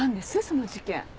その事件。